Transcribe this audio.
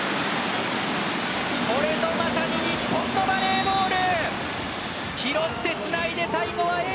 これぞまさに日本のバレーボール！